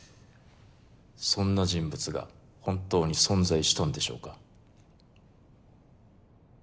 そんな人物が本当に存在したんでしょうか。